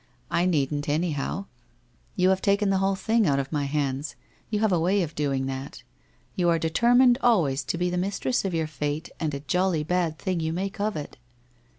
* I needn't, anyhow. You have taken the whole thing out of my hands. You have a way of doing that. You are determined always to be the mistress of your fate and a jolly bad thing you make of it